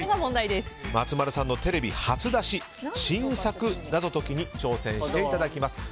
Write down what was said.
松丸さんのテレビ初出し新作謎解きに挑戦していただきます。